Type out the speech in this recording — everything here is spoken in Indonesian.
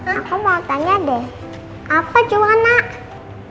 kalau kamu bilang gitu aku mau tanya deh